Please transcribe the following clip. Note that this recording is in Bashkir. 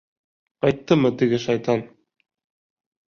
Ҡайттымы теге шайтан?